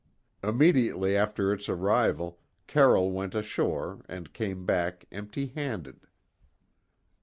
Immediately after its arrival, Carroll went ashore, and came back empty handed.